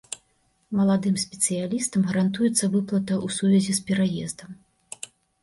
Маладым спецыялістам гарантуецца выплата ў сувязі з пераездам.